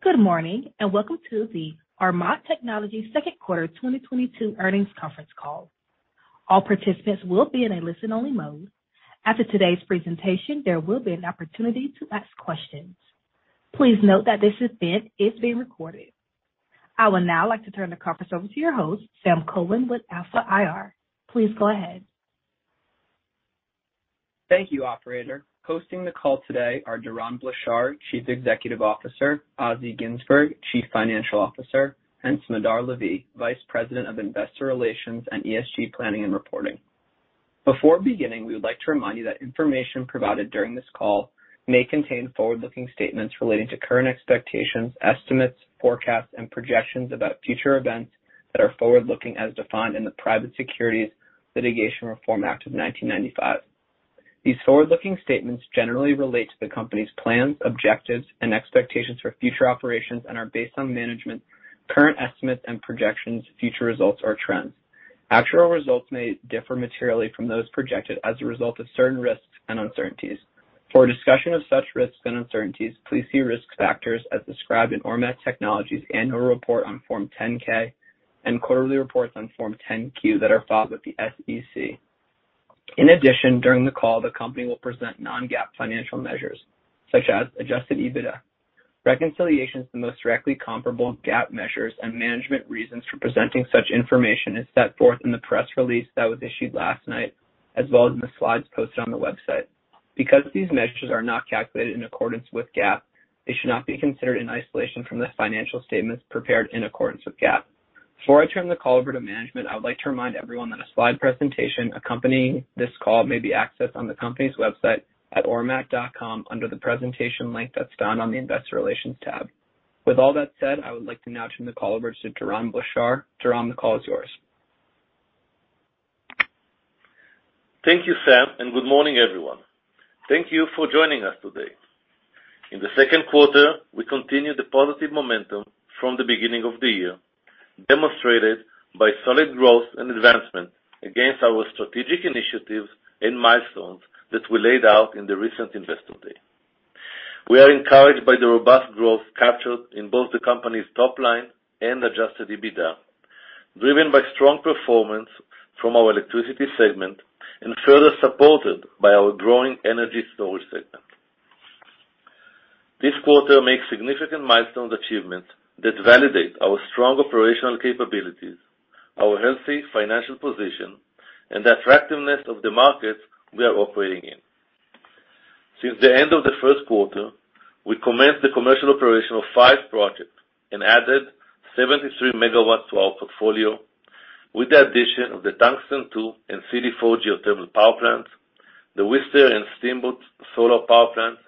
Good morning, and welcome to the Ormat Technologies second quarter 2022 earnings conference call. All participants will be in a listen-only mode. After today's presentation, there will be an opportunity to ask questions. Please note that this event is being recorded. I would now like to turn the conference over to your host, Sam Cohen with Alpha IR. Please go ahead. Thank you, operator. Hosting the call today are Doron Blachar, Chief Executive Officer, Azi Ginsburg, Chief Financial Officer, and Smadar Levi, Vice President of Investor Relations and ESG Planning and Reporting. Before beginning, we would like to remind you that information provided during this call may contain forward-looking statements relating to current expectations, estimates, forecasts, and projections about future events that are forward-looking as defined in the Private Securities Litigation Reform Act of 1995. These forward-looking statements generally relate to the company's plans, objectives, and expectations for future operations and are based on management's current estimates and projections of future results or trends. Actual results may differ materially from those projected as a result of certain risks and uncertainties. For a discussion of such risks and uncertainties, please see risk factors as described in Ormat Technologies' annual report on Form 10-K and quarterly reports on Form 10-Q that are filed with the SEC. In addition, during the call, the company will present non-GAAP financial measures such as Adjusted EBITDA. Reconciliations to the most directly comparable GAAP measures, and management's reasons for presenting such information are set forth in the press release that was issued last night, as well as in the slides posted on the website. Because these measures are not calculated in accordance with GAAP, they should not be considered in isolation from the financial statements prepared in accordance with GAAP. Before I turn the call over to management, I would like to remind everyone that a slide presentation accompanying this call may be accessed on the company's website at ormat.com under the Presentation link that's found on the Investor Relations tab. With all that said, I would like to now turn the call over to Doron Blachar. Doron, the call is yours. Thank you, Sam, and good morning, everyone. Thank you for joining us today. In the second quarter, we continued the positive momentum from the beginning of the year, demonstrated by solid growth and advancement against our strategic initiatives and milestones that we laid out in the recent Investor Day. We are encouraged by the robust growth captured in both the company's top line and Adjusted EBITDA, driven by strong performance from our electricity segment and further supported by our growing energy storage segment. This quarter marks significant milestone achievements that validate our strong operational capabilities, our healthy financial position, and the attractiveness of the markets we are operating in. Since the end of the first quarter, we commenced the commercial operation of 5 projects and added 73 megawatts to our portfolio with the addition of the Tungsten-two and CD4 geothermal power plants, the Wister and Steamboat solar power plants,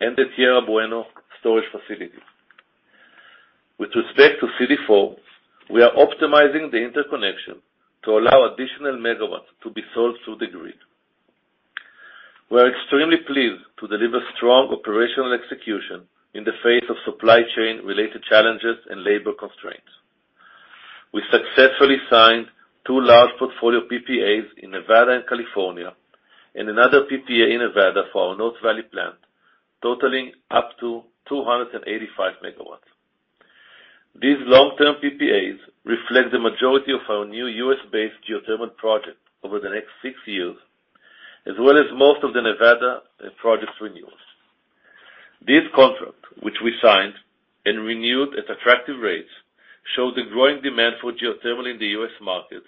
and the Tierra Buena storage facility. With respect to CD4, we are optimizing the interconnection to allow additional megawatts to be sold through the grid. We are extremely pleased to deliver strong operational execution in the face of supply chain related challenges and labor constraints. We successfully signed two large portfolio PPAs in Nevada and California, and another PPA in Nevada for our North Valley plant, totaling up to 285 megawatts. These long-term PPAs reflect the majority of our new U.S.-based geothermal projects over the next 6 years, as well as most of the Nevada projects renewals. These contracts, which we signed and renewed at attractive rates, show the growing demand for geothermal in the U.S. market,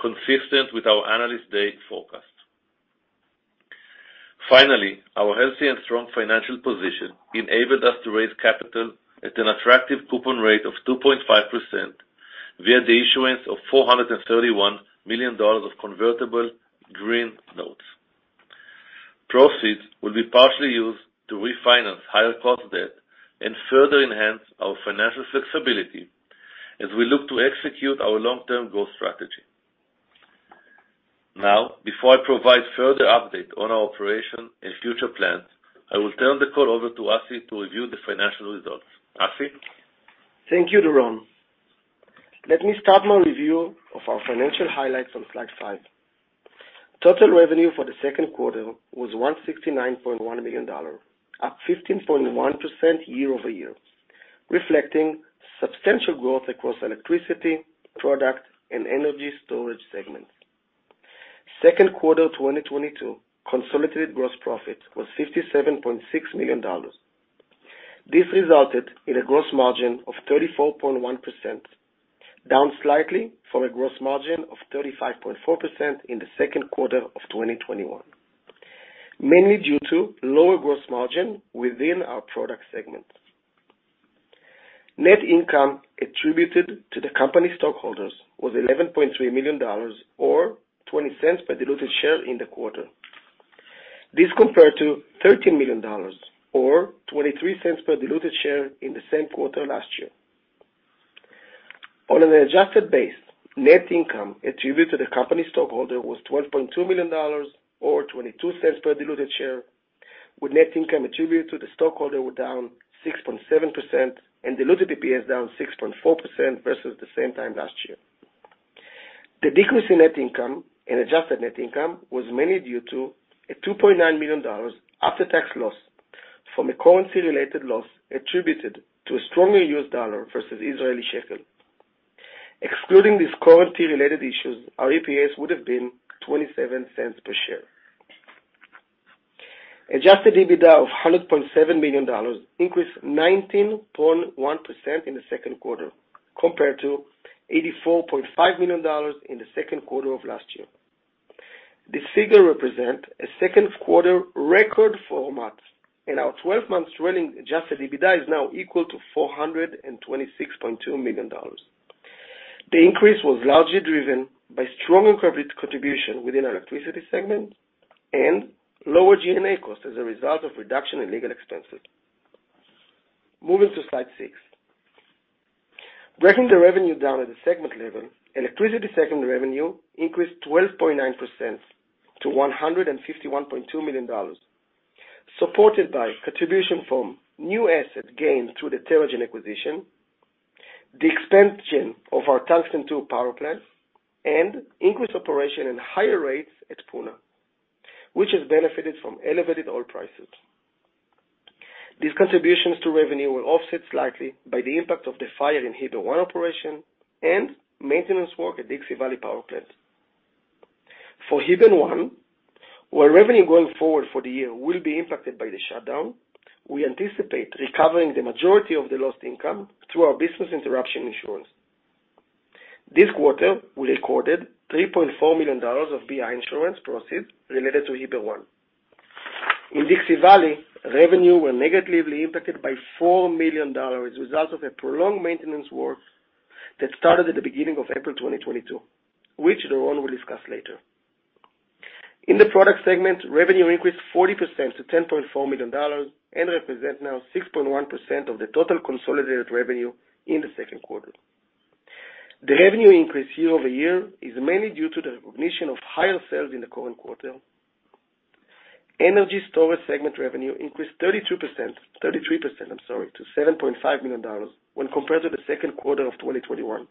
consistent with our Analyst Day forecast. Finally, our healthy and strong financial position enabled us to raise capital at an attractive coupon rate of 2.5% via the issuance of $431 million of convertible green notes. Proceeds will be partially used to refinance higher cost debt and further enhance our financial flexibility as we look to execute our long-term growth strategy. Now, before I provide further update on our operation and future plans, I will turn the call over to Azi to review the financial results. Assi? Thank you, Doron. Let me start my review of our financial highlights on slide 5. Total revenue for the second quarter was $169.1 million, up 15.1% year-over-year, reflecting substantial growth across electricity, product, and energy storage segments. Second quarter 2022 consolidated gross profit was $57.6 million. This resulted in a gross margin of 34.1%, down slightly from a gross margin of 35.4% in the second quarter of 2021, mainly due to lower gross margin within our product segment. Net income attributed to the company stockholders was $11.3 million or $0.20 per diluted share in the quarter. This compared to $13 million or $0.23 per diluted share in the same quarter last year. On an adjusted basis, net income attributed to the Company stockholder was $12.2 million or $0.22 per diluted share, with net income attributed to the stockholder down 6.7% and diluted EPS down 6.4% versus the same time last year. The decrease in net income and adjusted net income was mainly due to a $2.9 million after-tax loss from a currency-related loss attributed to a stronger U.S. dollar versus Israeli shekel. Excluding these currency-related issues, our EPS would have been $0.27 per share. Adjusted EBITDA of $100.7 million increased 19.1% in the second quarter compared to $84.5 million in the second quarter of last year. This figure represents a second quarter record for Ormat, and our 12-month trailing adjusted EBITDA is now equal to $426.2 million. The increase was largely driven by strong corporate contribution within our electricity segment and lower G&A costs as a result of reduction in legal expenses. Moving to slide 6. Breaking the revenue down at the segment level, electricity segment revenue increased 12.9% to $151.2 million, supported by contribution from new assets gained through the Terra-Gen acquisition, the expansion of our Tungsten II power plant, and increased operation and higher rates at Puna, which has benefited from elevated oil prices. These contributions to revenue were offset slightly by the impact of the fire in Heber 1 operation and maintenance work at Dixie Valley power plant. For Heber 1, while revenue going forward for the year will be impacted by the shutdown, we anticipate recovering the majority of the lost income through our business interruption insurance. This quarter, we recorded $3.4 million of BI insurance proceeds related to Heber 1. In Dixie Valley, revenues were negatively impacted by $4 million as a result of a prolonged maintenance work that started at the beginning of April 2022, which Doron will discuss later. In the product segment, revenue increased 40% to $10.4 million and represents now 6.1% of the total consolidated revenue in the second quarter. The revenue increase year-over-year is mainly due to the recognition of higher sales in the current quarter. Energy storage segment revenue increased 32%—33%, I'm sorry, to $7.5 million when compared to the second quarter of 2021.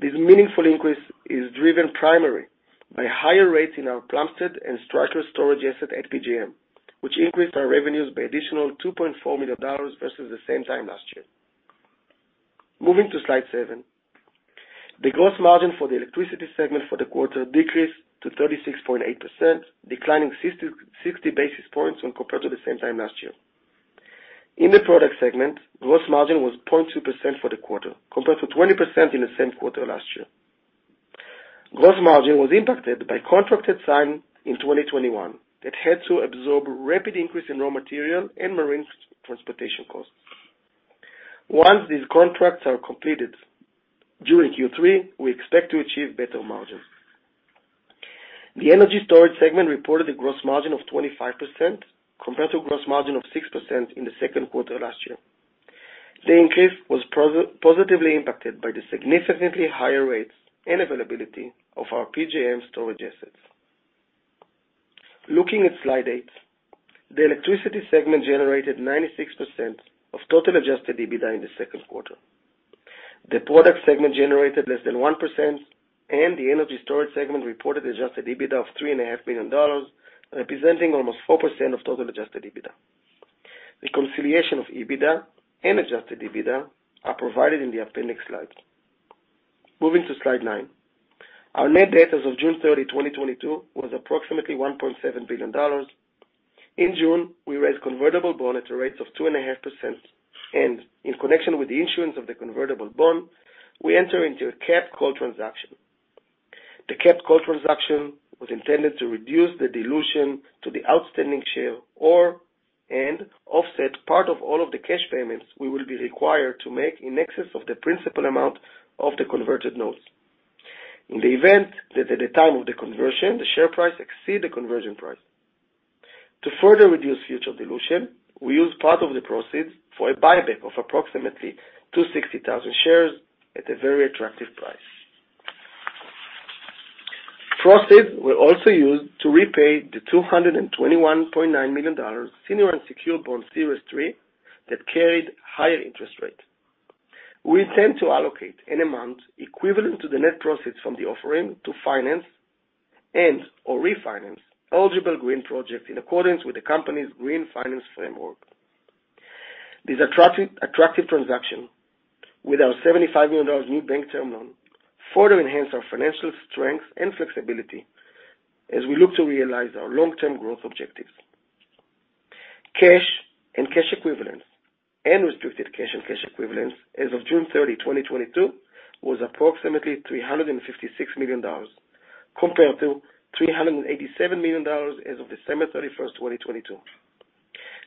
This meaningful increase is driven primarily by higher rates in our Upton energy storage asset at PJM, which increased our revenues by additional $2.4 million versus the same time last year. Moving to slide 7. The gross margin for the electricity segment for the quarter decreased to 36.8%, declining 60 basis points when compared to the same time last year. In the product segment, gross margin was 0.2% for the quarter compared to 20% in the same quarter last year. Gross margin was impacted by contracts signed in 2021 that had to absorb rapid increase in raw material and maritime transportation costs. Once these contracts are completed during Q3, we expect to achieve better margins. The energy storage segment reported a gross margin of 25% compared to gross margin of 6% in the second quarter last year. The increase was positively impacted by the significantly higher rates and availability of our PJM storage assets. Looking at slide 8, the electricity segment generated 96% of total adjusted EBITDA in the second quarter. The product segment generated less than 1%, and the energy storage segment reported adjusted EBITDA of $3.5 million, representing almost 4% of total adjusted EBITDA. The reconciliation of EBITDA and adjusted EBITDA are provided in the appendix slides. Moving to slide 9. Our net debt as of June 30, 2022, was approximately $1.7 billion. In June, we raised convertible bond at a rate of 2.5%, and in connection with the issuance of the convertible bond, we enter into a capped call transaction. The capped call transaction was intended to reduce the dilution to the outstanding shares or, and offset part or all of the cash payments we will be required to make in excess of the principal amount of the converted notes in the event that at the time of the conversion, the share price exceeds the conversion price. To further reduce future dilution, we use part of the proceeds for a buyback of approximately 260,000 shares at a very attractive price. Proceeds were also used to repay the $221.9 million senior unsecured bond Series 3 that carried higher interest rate. We intend to allocate an amount equivalent to the net proceeds from the offering to finance and/or refinance eligible green projects in accordance with the company's Green Finance Framework. This attractive transaction with our $75 million new bank term loan further enhance our financial strength and flexibility as we look to realize our long-term growth objectives. Cash and cash equivalents and restricted cash and cash equivalents as of June 30, 2022, was approximately $356 million compared to $387 million as of December 31, 2022.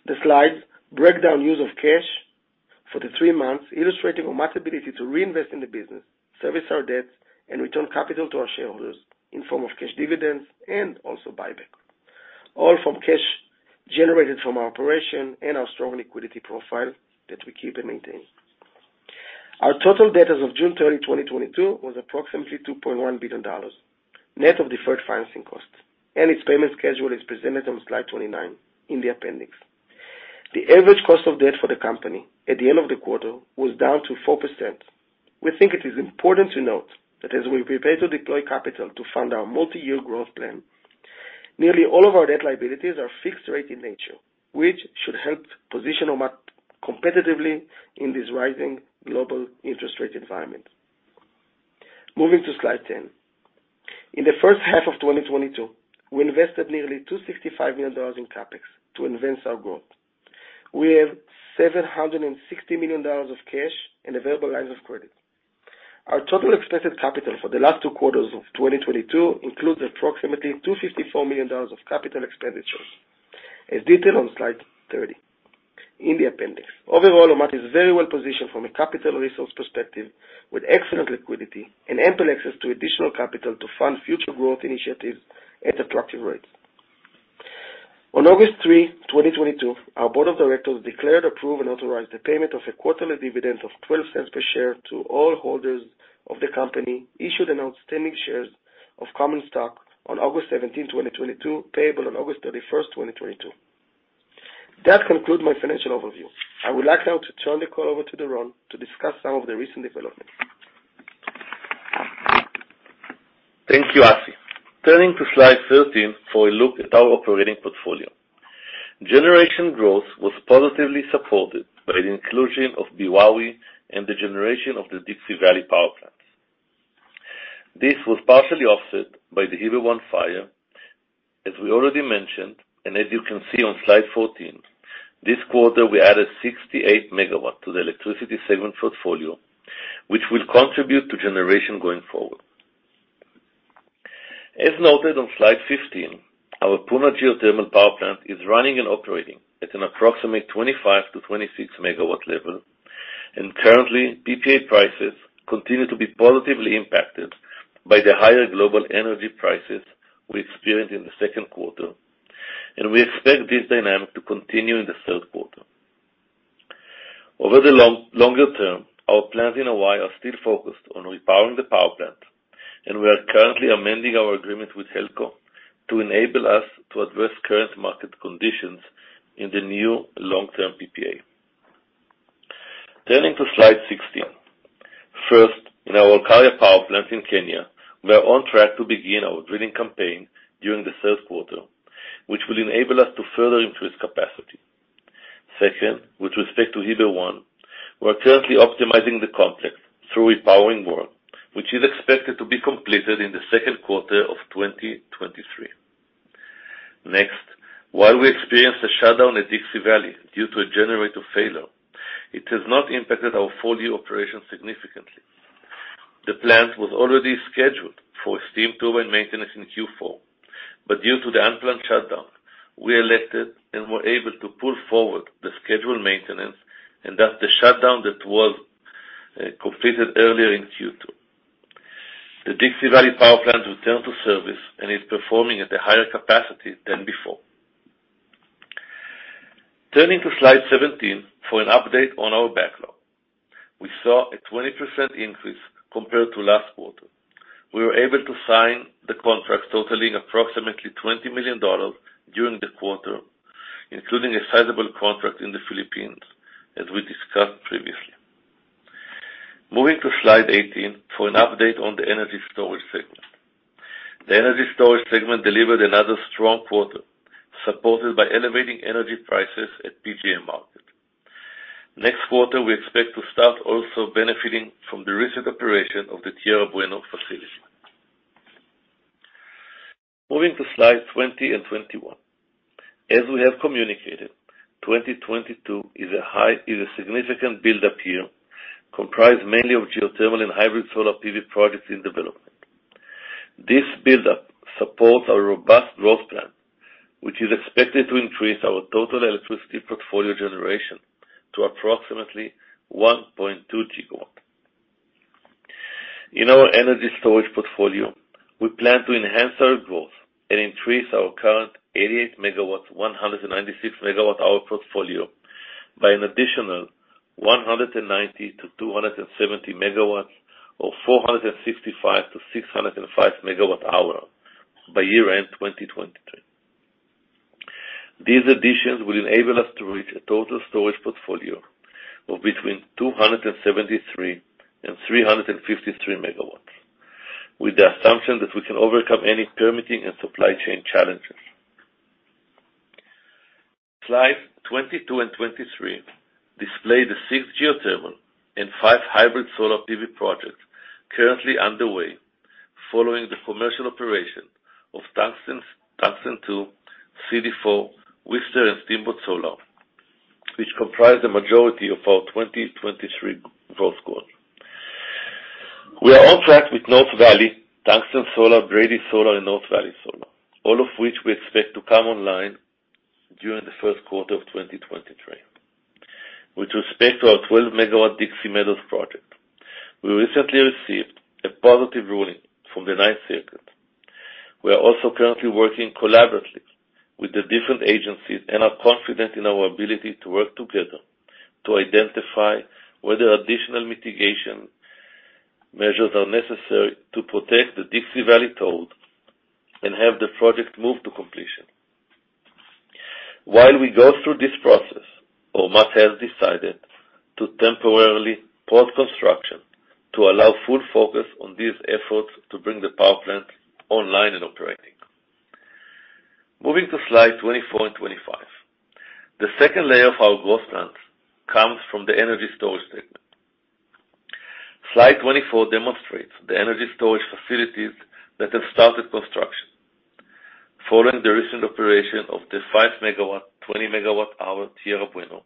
The slides break down use of cash for the three months, illustrating our ability to reinvest in the business, service our debts, and return capital to our shareholders in form of cash dividends and also buyback, all from cash generated from our operation and our strong liquidity profile that we keep and maintain. Our total debt as of June 30, 2022, was approximately $2.1 billion net of deferred financing costs, and its payment schedule is presented on slide 29 in the appendix. The average cost of debt for the company at the end of the quarter was down to 4%. We think it is important to note that as we prepare to deploy capital to fund our multi-year growth plan, nearly all of our debt liabilities are fixed rate in nature, which should help position Ormat competitively in this rising global interest rate environment. Moving to slide 10. In the first half of 2022, we invested nearly $265 million in CapEx to advance our growth. We have $760 million of cash and available lines of credit. Our total expected capital for the last two quarters of 2022 includes approximately $254 million of capital expenditures, as detailed on slide 30 in the appendix. Overall, Ormat is very well positioned from a capital resource perspective with excellent liquidity and ample access to additional capital to fund future growth initiatives at attractive rates. On August 3, 2022, our board of directors declared, approved, and authorized the payment of a quarterly dividend of $0.12 per share to all holders of the company issued and outstanding shares of common stock on August 17, 2022, payable on August 31, 2022. That concludes my financial overview. I would like now to turn the call over to Doron to discuss some of the recent developments. Thank you, Assi. Turning to slide 13 for a look at our operating portfolio. Generation growth was positively supported by the inclusion of Beowawe and the generation of the Dixie Valley Power Plant. This was partially offset by the Heber 1 fire, as we already mentioned, and as you can see on slide 14, this quarter we added 68 MW to the electricity segment portfolio, which will contribute to generation going forward. As noted on slide 15, our Puna Geothermal Power Plant is running and operating at an approximate 25-26 MW level. Currently, PPA prices continue to be positively impacted by the higher global energy prices we experienced in the second quarter, and we expect this dynamic to continue in the third quarter. Over the long, longer term, our plans in Hawaii are still focused on repowering the power plant, and we are currently amending our agreement with HELCO to enable us to address current market conditions in the new long-term PPA. Turning to slide 16. First, in our Olkaria Power Plant in Kenya, we are on track to begin our drilling campaign during the third quarter, which will enable us to further increase capacity. Second, with respect to Heber 1, we are currently optimizing the contract through repowering work, which is expected to be completed in the second quarter of 2023. Next, while we experienced a shutdown at Dixie Valley due to a generator failure, it has not impacted our full year operations significantly. The plant was already scheduled for steam turbine maintenance in Q4, but due to the unplanned shutdown, we elected and were able to pull forward the scheduled maintenance and that's the shutdown that was completed earlier in Q2. The Dixie Valley Power Plant returned to service and is performing at a higher capacity than before. Turning to slide 17 for an update on our backlog. We saw a 20% increase compared to last quarter. We were able to sign the contracts totaling approximately $20 million during the quarter, including a sizable contract in the Philippines, as we discussed previously. Moving to slide 18 for an update on the energy storage segment. The energy storage segment delivered another strong quarter, supported by elevating energy prices at PJM market. Next quarter, we expect to start also benefiting from the recent operation of the Tierra Buena facility. Moving to slide 20 and 21. As we have communicated, 2022 is a significant build-up year comprised mainly of geothermal and hybrid solar PV projects in development. This build-up supports our robust growth plan, which is expected to increase our total electricity portfolio generation to approximately 1.2 GW. In our energy storage portfolio, we plan to enhance our growth and increase our current 88 MW, 196 MWh portfolio by an additional 190-270 MW or 465-605 MWh by year-end 2023. These additions will enable us to reach a total storage portfolio of between 273 and 353 MW, with the assumption that we can overcome any permitting and supply chain challenges. Slide 22 and 23 display the 6 geothermal and 5 hybrid solar PV projects currently underway following the commercial operation of Tungsten 2, CD4, Wister, and Steamboat Solar, which comprise the majority of our 2023 growth goal. We are on track with North Valley, Tungsten Solar, Brady Solar, and North Valley Solar, all of which we expect to come online during the first quarter of 2023. With respect to our 12-MW Dixie Meadows project, we recently received a positive ruling from the Ninth Circuit. We are also currently working collaboratively with the different agencies and are confident in our ability to work together to identify whether additional mitigation measures are necessary to protect the Dixie Valley toad and have the project move to completion. While we go through this process, Ormat has decided to temporarily pause construction to allow full focus on these efforts to bring the power plant online and operating. Moving to slide 24 and 25. The second layer of our growth plans comes from the energy storage segment. Slide 24 demonstrates the energy storage facilities that have started construction. Following the recent operation of the 5 MW, 20 MWh Tierra Buena,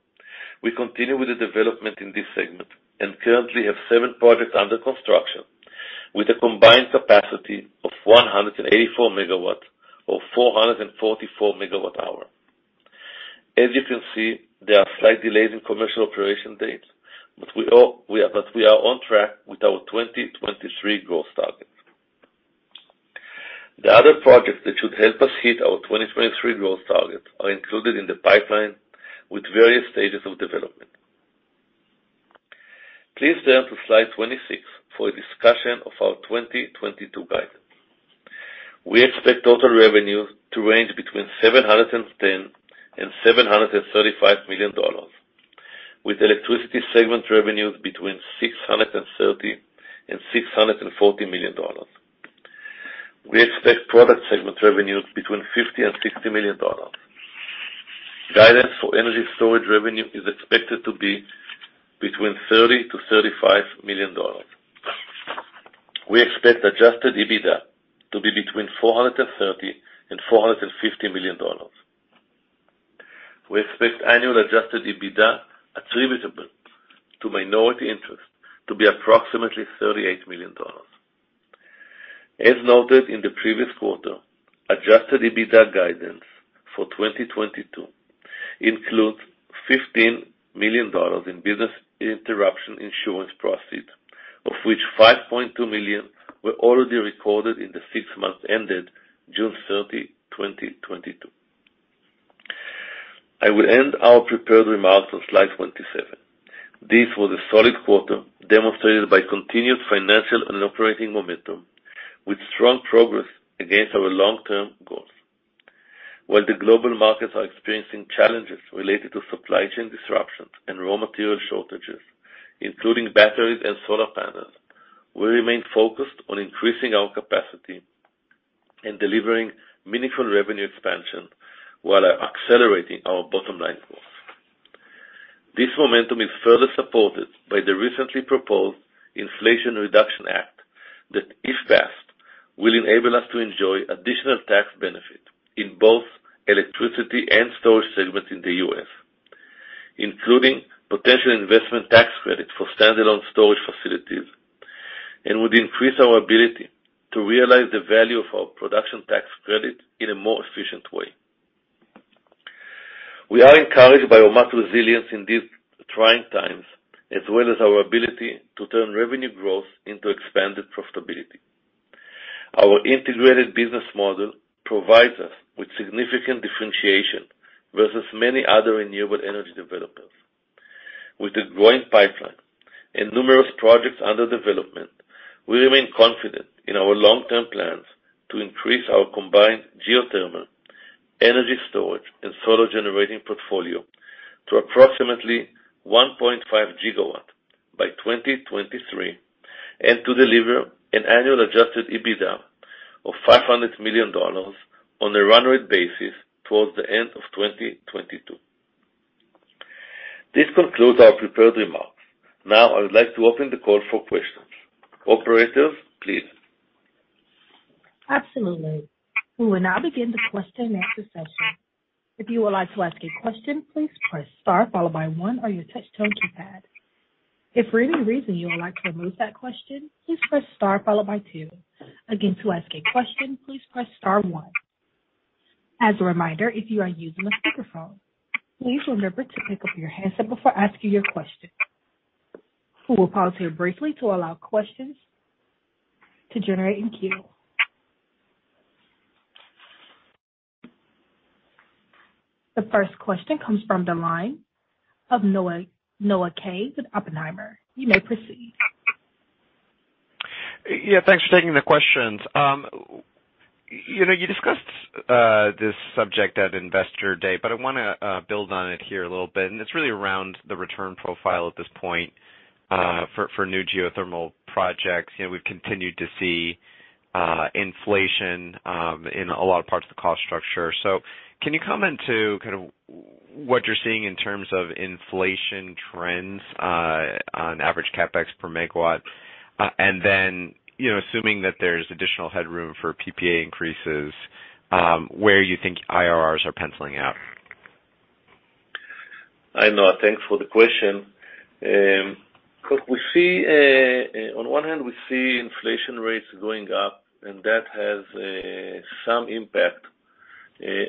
we continue with the development in this segment and currently have 7 projects under construction with a combined capacity of 184 MW or 444 MWh. As you can see, there are slight delays in commercial operation dates, but we are on track with our 2023 growth targets. The other projects that should help us hit our 2023 growth targets are included in the pipeline with various stages of development. Please turn to slide 26 for a discussion of our 2022 guidance. We expect total revenue to range between $710 million and $735 million, with electricity segment revenues between $630 million and $640 million. We expect product segment revenues between $50 million and $60 million. Guidance for energy storage revenue is expected to be between $30 million to $35 million. We expect Adjusted EBITDA to be between $430 million and $450 million. We expect annual Adjusted EBITDA attributable to minority interest to be approximately $38 million. As noted in the previous quarter, Adjusted EBITDA guidance for 2022 includes $15 million in business interruption insurance proceeds, of which $5.2 million were already recorded in the six months ended June 30, 2022. I will end our prepared remarks on slide 27. This was a solid quarter demonstrated by continued financial and operating momentum with strong progress against our long-term goals. While the global markets are experiencing challenges related to supply chain disruptions and raw material shortages, including batteries and solar panels, we remain focused on increasing our capacity and delivering meaningful revenue expansion while accelerating our bottom line growth. This momentum is further supported by the recently proposed Inflation Reduction Act, that, if passed, will enable us to enjoy additional tax benefits in both electricity and storage segments in the U.S., including potential investment tax credits for standalone storage facilities and would increase our ability to realize the value of our production tax credit in a more efficient way. We are encouraged by Ormat's resilience in these trying times, as well as our ability to turn revenue growth into expanded profitability. Our integrated business model provides us with significant differentiation versus many other renewable energy developers. With a growing pipeline and numerous projects under development, we remain confident in our long-term plans to increase our combined geothermal, energy storage, and solar generating portfolio to approximately 1.5 gigawatt by 2023 and to deliver an annual Adjusted EBITDA of $500 million on a run-rate basis toward the end of 2022. This concludes our prepared remarks. Now I would like to open the call for questions. Operator, please. Absolutely. We will now begin the question and answer session. If you would like to ask a question, please press star followed by one on your touch-tone keypad. If for any reason you would like to remove that question, please press star followed by two. Again, to ask a question, please press star one. As a reminder, if you are using a speakerphone, please remember to pick up your handset before asking your question. We will pause here briefly to allow questions to generate in queue. The first question comes from the line of Noah Kaye with Oppenheimer. You may proceed. Yeah, thanks for taking the questions. You know, you discussed this subject at Investor Day, but I wanna build on it here a little bit, and it's really around the return profile at this point for new geothermal projects. You know, we've continued to see inflation in a lot of parts of the cost structure. Can you comment on kind of what you're seeing in terms of inflation trends on average CapEx per megawatt? And then, you know, assuming that there's additional headroom for PPA increases, where you think IRRs are penciling out? Hi, Noah. Thanks for the question. Look, we see on one hand we see inflation rates going up and that has some impact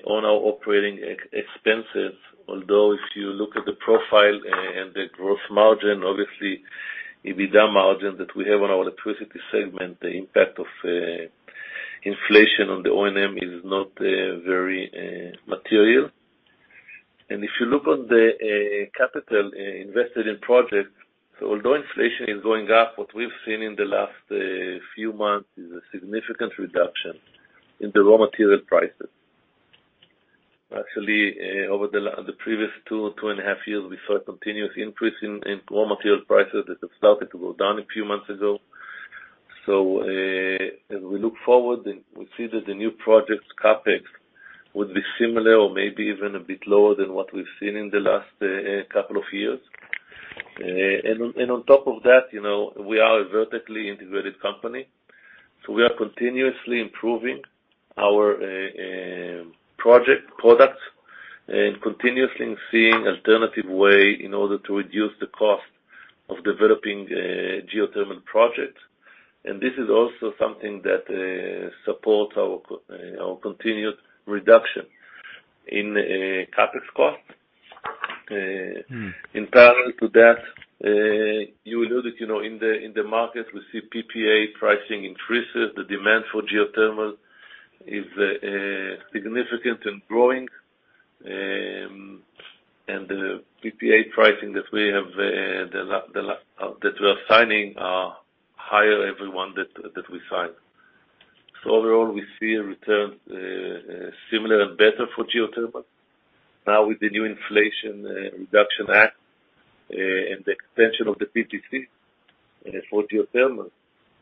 on our operating expenses although if you look at the profile and the growth margin, obviously EBITDA margin that we have on our electricity segment the impact of inflation on the O&M is not very material. If you look on the capital invested in projects, although inflation is going up, what we've seen in the last few months is a significant reduction in the raw material prices. Actually, over the previous two and a half years, we saw a continuous increase in raw material prices that have started to go down a few months ago. As we look forward, we see that the new project's CapEx would be similar or maybe even a bit lower than what we've seen in the last couple of years. On top of that, you know, we are a vertically integrated company, so we are continuously improving our project products and continuously seeing alternative ways in order to reduce the cost of developing geothermal projects. This is also something that supports our continued reduction in CapEx costs. Mm. In parallel to that, you will do that, you know, in the market, we see PPA pricing increases. The demand for geothermal is significant and growing. The PPA pricing that we have, that we are signing are higher than every one that we sign. Overall, we see a return similar and better for geothermal. With the new Inflation Reduction Act and the extension of the PTC for geothermal,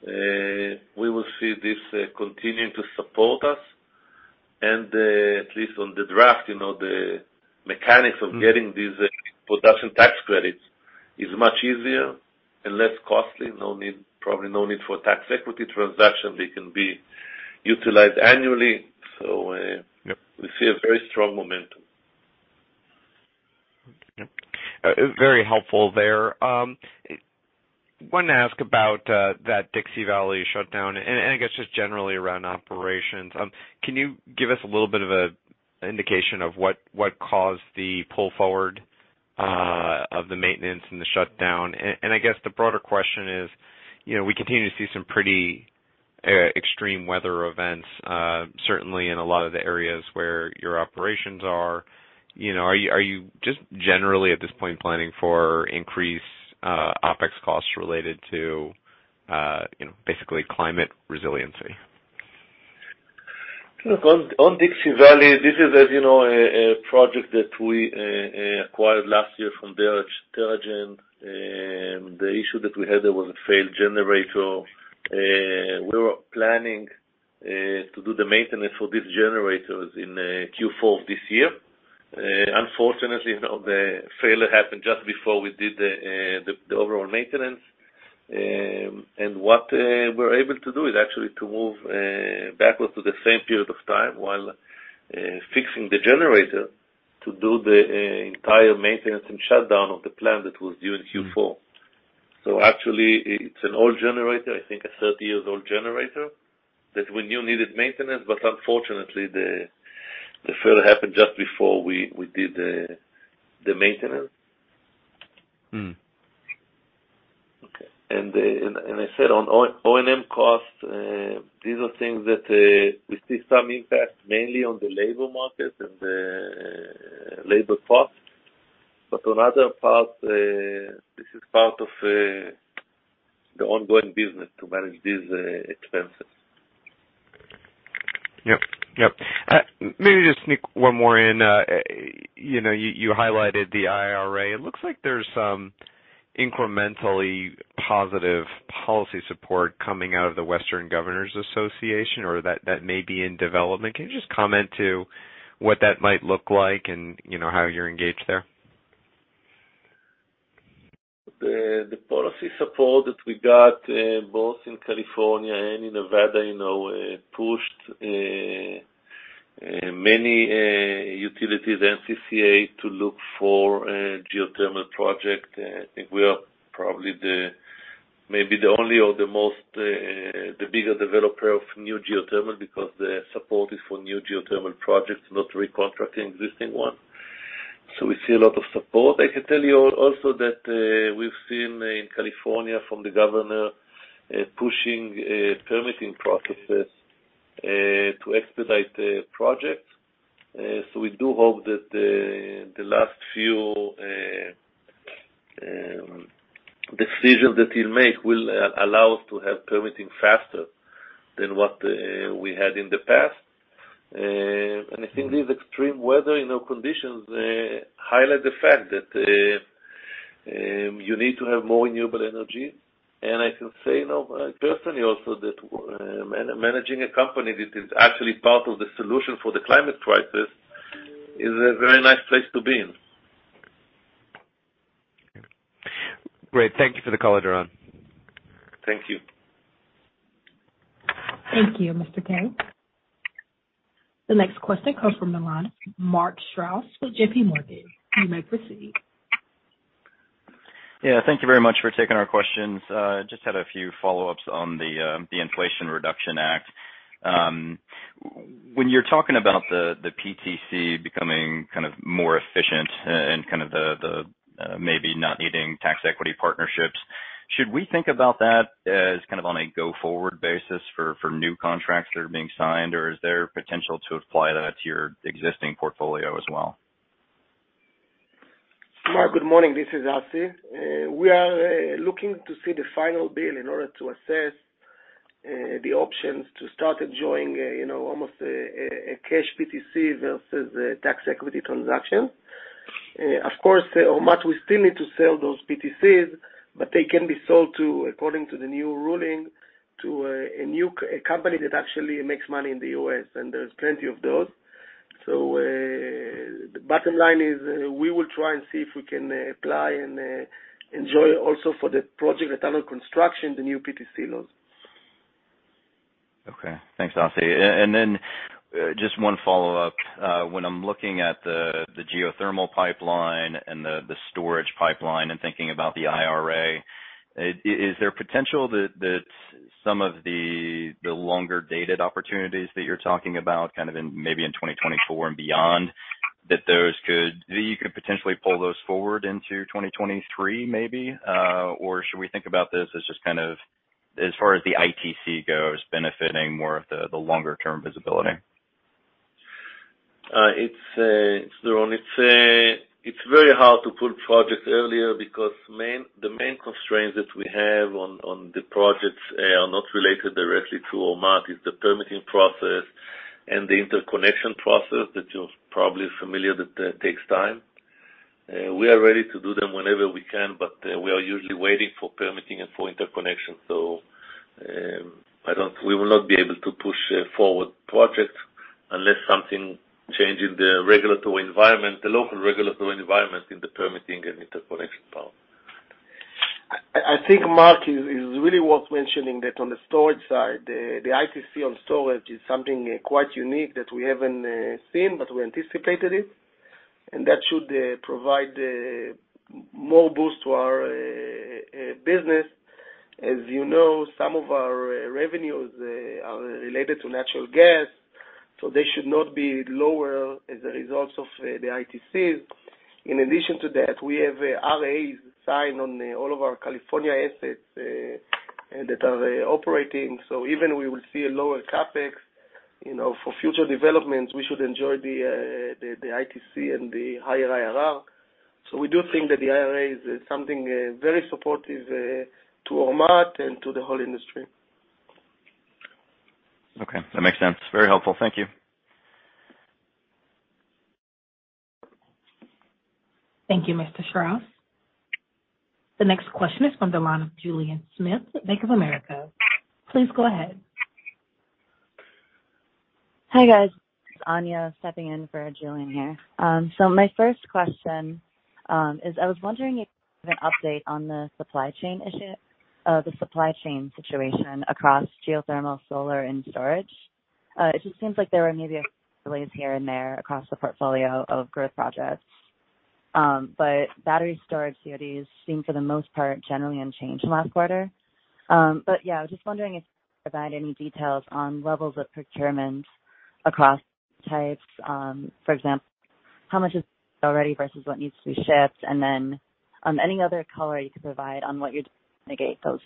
we will see this continuing to support us. At least on the draft, you know, the mechanics of getting these production tax credits is much easier and less costly. No need. Probably no need for tax equity transaction. They can be utilized annually. Yep. We see a very strong momentum. Yep. Very helpful there. Wanted to ask about that Dixie Valley shutdown, and I guess just generally around operations. Can you give us a little bit of a indication of what caused the pull forward of the maintenance and the shutdown? I guess the broader question is, you know, we continue to see some pretty extreme weather events, certainly in a lot of the areas where your operations are. You know, are you just generally at this point planning for increased OpEx costs related to, you know, basically climate resiliency? Look, on Dixie Valley, this is as you know, a project that we acquired last year from Terra-Gen. The issue that we had, there was a failed generator. We were planning to do the maintenance for these generators in Q4 of this year. Unfortunately, you know, the failure happened just before we did the overall maintenance. What we're able to do is actually to move backwards to the same period of time while fixing the generator to do the entire maintenance and shutdown of the plant that was due in Q4. Actually it's an old generator, I think a 30-year-old generator that we knew needed maintenance, but unfortunately the failure happened just before we did the maintenance. Okay. I said on O&M costs, these are things that we see some impact mainly on the labor market and labor costs. On other parts, this is part of the ongoing business to manage these expenses. Yep. Maybe just sneak one more in. You know, you highlighted the IRA. It looks like there's some incrementally positive policy support coming out of the Western Governors' Association or that may be in development. Can you just comment on what that might look like and you know, how you're engaged there? The policy support that we got both in California and in Nevada, you know, pushed many utilities, NCCA, to look for a geothermal project. I think we are probably maybe the only or the most bigger developer of new geothermal because the support is for new geothermal projects, not recontracting existing one. We see a lot of support. I can tell you also that we've seen in California from the governor pushing permitting processes to expedite the project. We do hope that the last few decisions that he'll make will allow us to have permitting faster than what we had in the past. I think these extreme weather, you know, conditions highlight the fact that you need to have more renewable energy. I can say now personally also that managing a company that is actually part of the solution for the climate crisis is a very nice place to be in. Great. Thank you for the call, Doron. Thank you. Thank you, Mr. Kaye. The next question comes from the line of Mark Strouse with J.P. Morgan. You may proceed. Yeah. Thank you very much for taking our questions. Just had a few follow-ups on the Inflation Reduction Act. When you're talking about the PTC becoming kind of more efficient and kind of the maybe not needing tax equity partnerships, should we think about that as kind of on a go-forward basis for new contracts that are being signed, or is there potential to apply that to your existing portfolio as well? Mark, good morning. This is Assi. We are looking to see the final bill in order to assess the options to start enjoying, you know, almost a cash PTC versus a tax equity transaction. Of course, at Ormat we still need to sell those PTCs, but they can be sold to, according to the new ruling, to a new company that actually makes money in the U.S., and there's plenty of those. The bottom line is we will try and see if we can apply and enjoy also for the project under construction, the new PTC laws. Okay. Thanks, Assi. Then just one follow-up. When I'm looking at the geothermal pipeline and the storage pipeline and thinking about the IRA, is there potential that some of the longer-dated opportunities that you're talking about kind of in maybe in 2024 and beyond, you could potentially pull those forward into 2023 maybe, or should we think about this as just kind of as far as the ITC goes, benefiting more of the longer-term visibility? It's very hard to pull projects earlier because the main constraints that we have on the projects are not related directly to Ormat. It's the permitting process and the interconnection process that you're probably familiar that takes time. We are ready to do them whenever we can, but we are usually waiting for permitting and for interconnection. We will not be able to push forward projects unless something changes the regulatory environment, the local regulatory environment in the permitting and interconnection power. I think Mark is really worth mentioning that on the storage side, the ITC on storage is something quite unique that we haven't seen, but we anticipated it, and that should provide more boost to our business. As you know, some of our revenues are related to natural gas, so they should not be lower as a result of the ITCs. In addition to that, we have RAs signed on all of our California assets that are operating. Even we will see a lower CapEx, you know, for future developments, we should enjoy the ITC and the higher IRR. We do think that the IRA is something very supportive to Ormat and to the whole industry. Okay, that makes sense. Very helpful. Thank you. Thank you, Mr. Strouse. The next question is from the line of Julien Dumoulin-Smith at Bank of America. Please go ahead. Hi, guys. It's Anya stepping in for Julien here. My first question is I was wondering if you have an update on the supply chain issue, the supply chain situation across geothermal, solar, and storage. It just seems like there were maybe delays here and there across the portfolio of growth projects. Battery storage CODs seem for the most part generally unchanged last quarter. Yeah, just wondering if you could provide any details on levels of procurement across types. For example, how much is already versus what needs to be shipped, and then, any other color you could provide on what you mitigate those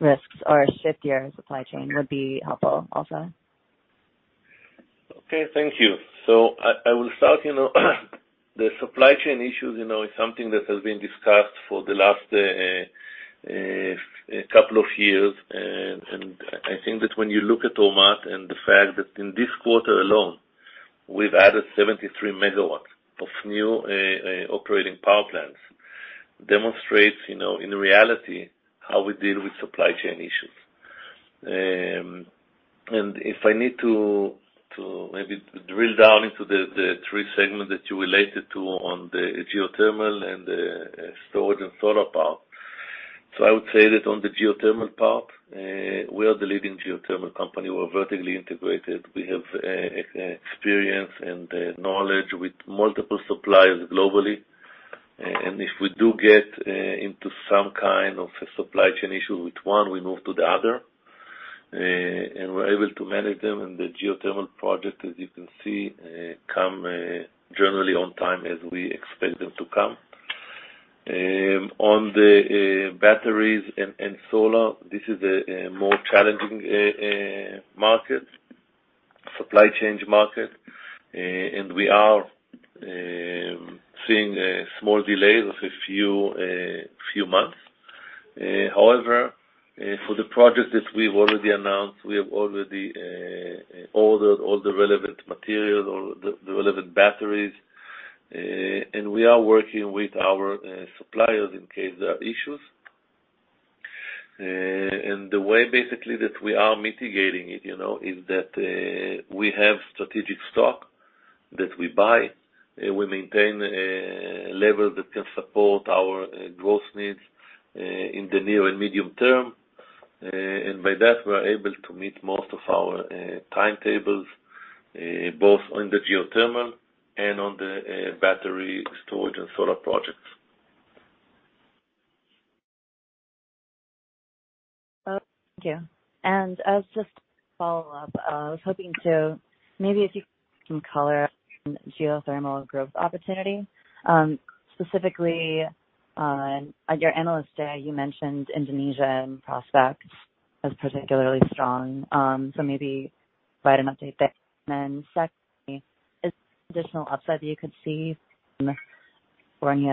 risks or shift your supply chain would be helpful also. Okay, thank you. I will start, you know, the supply chain issues, you know, is something that has been discussed for the last couple of years. I think that when you look at Ormat and the fact that in this quarter alone we've added 73 MW of new operating power plants, demonstrates, you know, in reality how we deal with supply chain issues. If I need to maybe drill down into the three segments that you related to on the geothermal and storage and solar power. I would say that on the geothermal part, we are the leading geothermal company. We're vertically integrated. We have experience and knowledge with multiple suppliers globally. If we do get into some kind of supply chain issue with one, we move to the other, and we're able to manage them. The geothermal project, as you can see, comes generally on time as we expect them to come. On the batteries and solar, this is a more challenging supply chain market. We are seeing small delays of a few months. However, for the projects that we've already announced, we have already ordered all the relevant materials or the relevant batteries. We are working with our suppliers in case there are issues. The way basically that we are mitigating it, you know, is that we have strategic stock that we buy. We maintain a level that can support our growth needs, in the near and medium term. By that, we are able to meet most of our timetables, both on the geothermal and on the battery storage and solar projects. Oh, thank you. As just a follow-up, I was hoping to maybe if you can color geothermal growth opportunity, specifically, at your Analyst Day, you mentioned Indonesia and prospects as particularly strong. Maybe provide an update there. Then secondly, is additional upside that you could see for any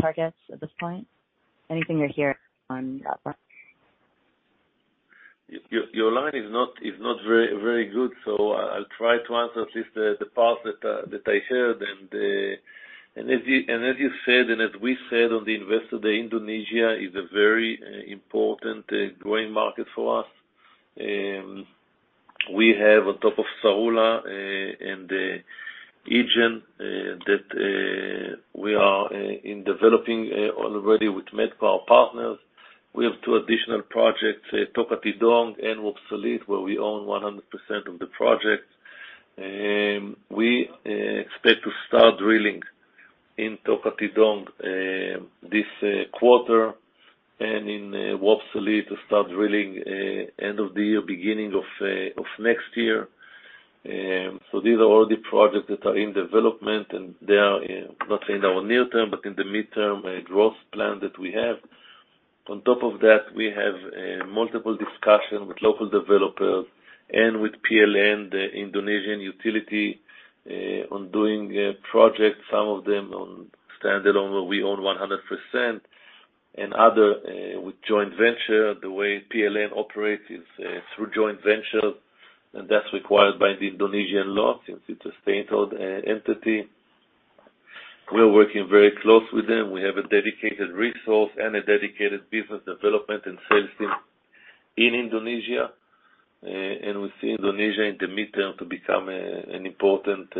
targets at this point? Anything you're hearing on that front. Your line is not very good, so I'll try to answer at least the part that I heard and as you said, and as we said on the Investor Day, Indonesia is a very important growing market for us. We have on top of Sarulla and the region that we are in developing already with Medco, our partners. We have two additional projects, Tokati Dong and Wapsolit, where we own 100% of the project. We expect to start drilling in Tokati Dong this quarter and in Wapsolit to start drilling end of the year, beginning of next year. These are all the projects that are in development, and they are not in our near term, but in the midterm growth plan that we have. On top of that, we have multiple discussions with local developers and with PLN, the Indonesian utility, on doing projects, some of them on standalone, where we own 100% and other with joint venture. The way PLN operates is through joint venture, and that's required by the Indonesian law since it's a state-owned entity. We are working very close with them. We have a dedicated resource and a dedicated business development and sales team in Indonesia. We see Indonesia in the midterm to become an important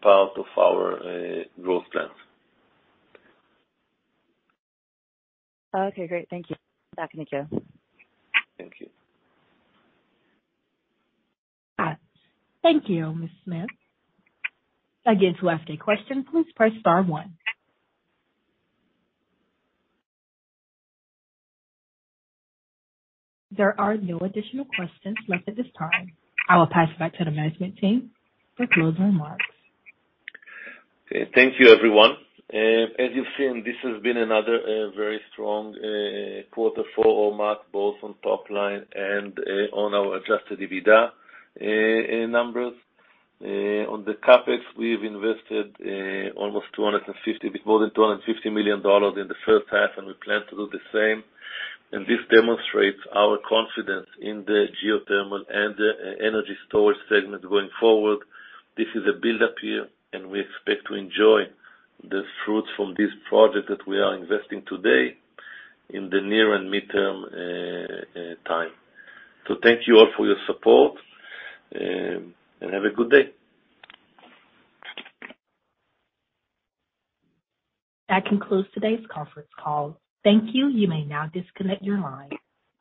part of our growth plans. Okay, great. Thank you. Back to you. Thank you. Thank you, Anya. Again, to ask a question, please press star one. There are no additional questions left at this time. I will pass it back to the management team for closing remarks. Okay. Thank you, everyone. As you've seen, this has been another very strong quarter for Ormat, both on top line and on our Adjusted EBITDA numbers. On the CapEx, we've invested more than $250 million in the first half, and we plan to do the same. This demonstrates our confidence in the geothermal and energy storage segment going forward. This is a build-up year, and we expect to enjoy the fruits from this project that we are investing today in the near and midterm time. Thank you all for your support, and have a good day. That concludes today's conference call. Thank you. You may now disconnect your line.